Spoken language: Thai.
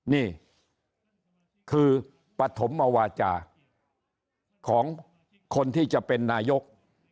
นี่คือปฐมวาจาของคนที่จะเป็นนายก